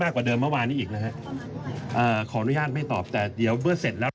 ท่านก็แบบนี้แสดงว่าภายใน๒เข่าตอนนี้ทุกอย่างเรียบร้อยใช่ไหมคะ